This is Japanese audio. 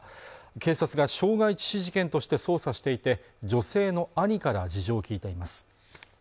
警察が傷害致死事件として捜査していて女性の兄から事情を聞いています